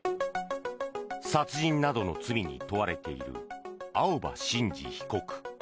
殺人などの罪に問われている青葉真司被告。